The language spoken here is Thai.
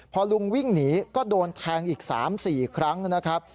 พอลุงวิ่งหนีก็โดนแทงอีก๓๔ครั้งนะครับ